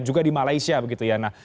juga di malaysia begitu ya